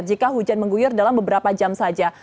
jika hujan mengguyur dalam beberapa jam saja